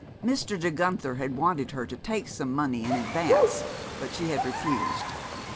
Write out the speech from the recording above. Mr. De Guenther had wanted her to take some money in advance, but she had refused.